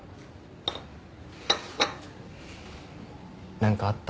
何かあった？